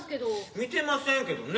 見てませんけどね。